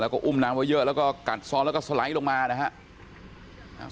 แล้วก็อุ้มน้ำไว้เยอะแล้วก็กัดซ้อนแล้วก็สไลด์ลงมานะครับ